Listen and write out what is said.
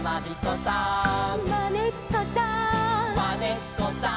「まねっこさん」